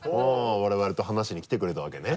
我々と話しに来てくれたわけね。